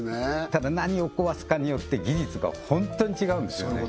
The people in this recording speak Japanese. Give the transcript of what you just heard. ただ何を壊すかによって技術がホントに違うんですよね